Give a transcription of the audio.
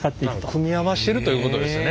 組み合わせてるということですね。